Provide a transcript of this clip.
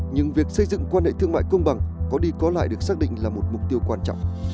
nhưng việc xây dựng quan hệ thương mại công bằng có đi có lại được xác định là một mục tiêu quan trọng